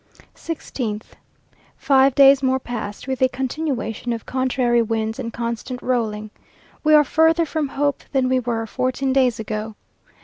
16th. Five days more passed with a continuation of contrary winds and constant rolling. We are further from hope than we were fourteen days ago.